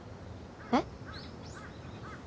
えっ？